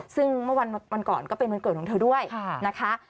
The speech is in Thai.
ซึ่งเมื่อวันก่อนก็เป็นวันเกิดของเธอด้วยนะคะ